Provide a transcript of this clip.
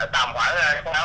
tầm khoảng sáu giờ